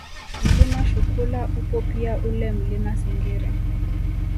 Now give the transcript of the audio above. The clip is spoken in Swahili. Mlima Shukula upo pia ule Mlima Singiri